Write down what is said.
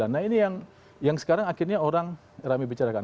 nah ini yang sekarang akhirnya orang rame bicarakan